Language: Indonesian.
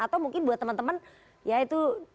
atau mungkin buat teman teman ya itu